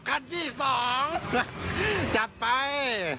คันที่สองจัดไป